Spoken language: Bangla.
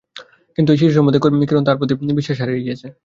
কিন্তু, এই শিশু সম্বন্ধে কিরণ তাহার প্রতি বিশ্বাস হারাইয়াছে।